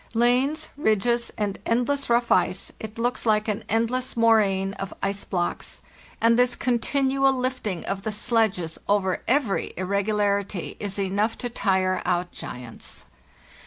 Lanes, ridges, and end less rough ice, it looks like an endless moraine of ice blocks; and this continual lifting of the sledges over every irregularity is enough to tire out giants.